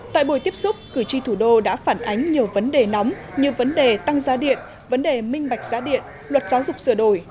tại buổi tiếp xúc cử tri thủ đô đã phản ánh nhiều vấn đề nóng như vấn đề tăng giá điện vấn đề minh bạch giá điện luật giáo dục sửa đổi